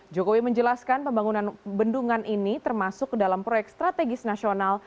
jokowi menjelaskan pembangunan bendungan ini termasuk dalam proyek strategis nasional